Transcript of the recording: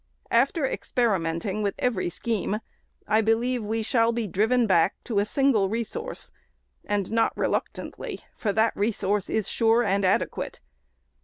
After experimenting with every scheme, I believe we shall be driven back to a single resource ;— and not reluctantly, for that resource is sure and adequate.